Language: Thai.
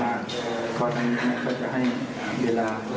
เพราะฉะนั้นก็จะให้เวลา